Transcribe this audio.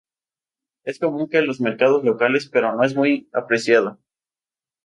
Es común en los mercados locales pero no es muy apreciado